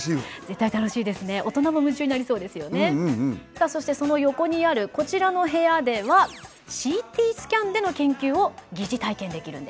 さあそしてその横にあるこちらの部屋ではＣＴスキャンでの研究を疑似体験できるんです。